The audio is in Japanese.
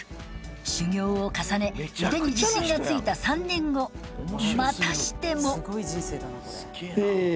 修業を重ね腕に自信がついた３年後またしても！